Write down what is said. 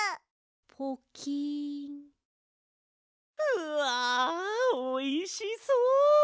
うわおいしそう！